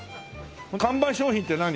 看板商品って何？